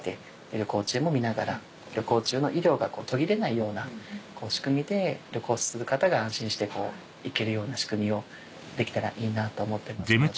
旅行中も見ながら旅行中の医療が途切れないような仕組みで旅行する方が安心して行けるような仕組みをできたらいいなと思ってますので。